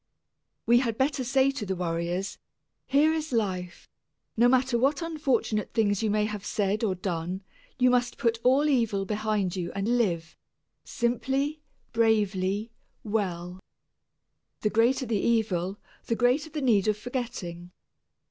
We had better say to the worriers, "Here is life; no matter what unfortunate things you may have said or done, you must put all evil behind you and live simply, bravely, well." The greater the evil, the greater the need of forgetting.